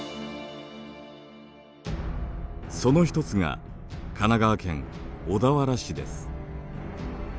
その一つが神奈川県小田原市です。